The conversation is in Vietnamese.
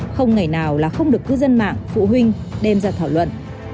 không ngày nào là không được cư dân mạng phụ huynh đem ra thảo luận